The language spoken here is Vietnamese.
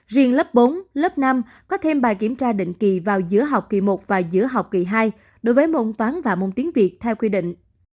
riêng lớp bốn lớp năm có thêm bài kiểm tra định kỳ vào giữa học kỳ một và giữa học kỳ hai đối với môn toán và môn tiếng việt theo quy định